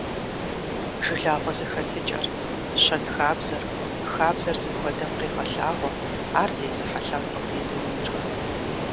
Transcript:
Жылагъуэ зэхэтыкӀэр, щэнхабзэр, хабзэр зыхуэдэм къегъэлъагъуэ ар зезыхьэ лъэпкъым и дунейр.